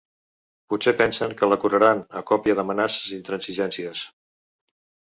Potser pensen que la curaran a còpia d’amenaces i intransigències.